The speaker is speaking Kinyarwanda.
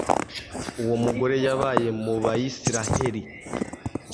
uwo mugore yabaye mu bayisraheli